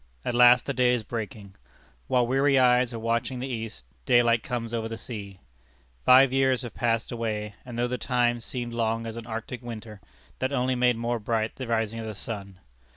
At last the day is breaking. While weary eyes are watching the East, daylight comes over the sea. Five years have passed away, and though the time seemed long as an Arctic winter, that only made more bright the rising of the sun.